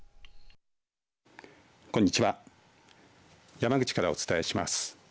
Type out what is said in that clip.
山口からお伝えします。